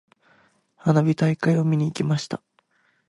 花火大会を見に行きました。